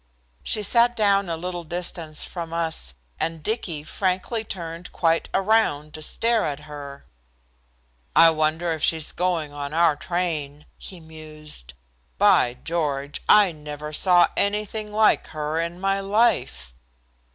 She sat down a little distance from us, and Dicky frankly turned quite around to stare at her. "I wonder if she's going on our train," he mused. "By George, I never saw anything like her in my life."